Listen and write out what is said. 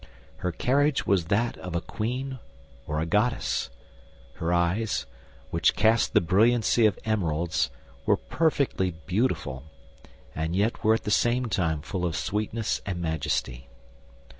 Her carriage was that of a queen or a goddess; her eyes, which cast the brilliancy of emeralds, were perfectly beautiful, and yet were at the same time full of sweetness and majesty.